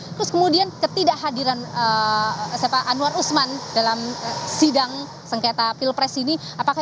terus kemudian ketidakhadiran anwar usman dalam sidang sengketa pilpres ini